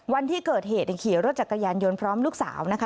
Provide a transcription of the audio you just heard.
วันที่เกิดเหตุขี่รถจักรยานยนต์พร้อมลูกสาวนะคะ